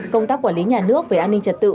công tác quản lý nhà nước về an ninh trật tự